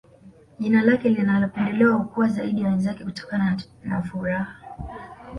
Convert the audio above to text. jike linalopendelewa hukua zaidi ya wenzake kutokana na furaha